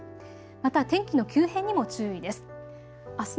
また天気の急変にも注意です。